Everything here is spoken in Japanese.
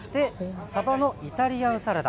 さばのイタリアンサラダ。